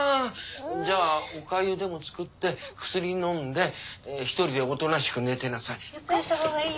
じゃあおかゆでも作って薬飲んで１人でおとなしく寝てなさい。